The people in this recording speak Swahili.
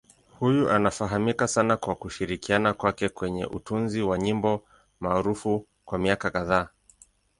Huyu anafahamika sana kwa kushirikiana kwake kwenye utunzi wa nyimbo maarufu kwa miaka kadhaa.